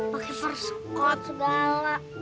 pake persekot segala